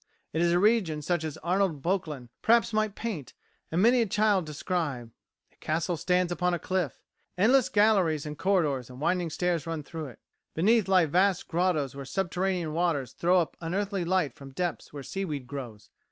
It is a region such as Arnold Böcklin, perhaps, might paint, and many a child describe. A castle stands upon a cliff. Endless galleries and corridors and winding stairs run through it. Beneath lie vast grottoes where subterranean waters throw up unearthly light from depths where seaweed grows."